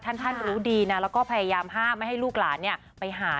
ท่านรู้ดีนะแล้วก็พยายามห้ามไม่ให้ลูกหลานไปหา